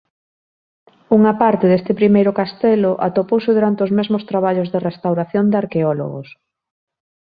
Unha parte deste primeiro castelo atopouse durante os mesmos traballos de restauración de arqueólogos.